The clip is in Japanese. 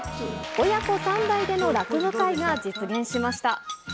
親子３代での落語会が実現しました。